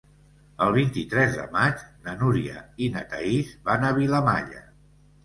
El vint-i-tres de maig na Núria i na Thaís van a Vilamalla.